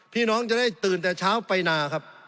พี่น้องจะได้ตื่นแต่เช้าไปนาครับ